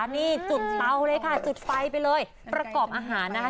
นี่จุดเตาเลยค่ะจุดไฟไปเลยประกอบอาหารนะคะ